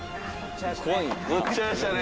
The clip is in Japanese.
・乗っちゃいましたね。